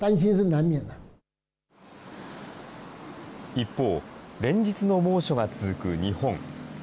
一方、連日の猛暑が続く日本。